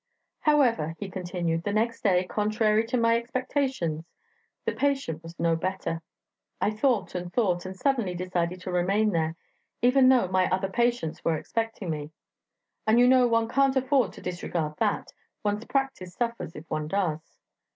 "However," he continued, "the next day, contrary to my expectations, the patient was no better. I thought and thought, and suddenly decided to remain there, even though my other patients were expecting me... And you know one can't afford to disregard that; one's practice suffers if one does.